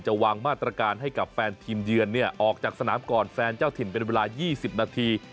วางมาตรการให้กับแฟนทีมเยือนออกจากสนามก่อนแฟนเจ้าถิ่นเป็นเวลา๒๐นาที